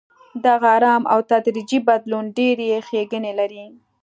دغه ارام او تدریجي بدلون ډېرې ښېګڼې لري.